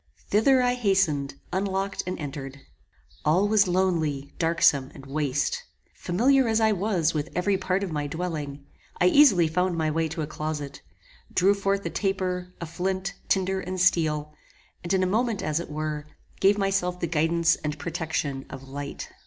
Thither I hastened, unlocked and entered. All was lonely, darksome, and waste. Familiar as I was with every part of my dwelling, I easily found my way to a closet, drew forth a taper, a flint, tinder, and steel, and, in a moment as it were, gave myself the guidance and protection of light.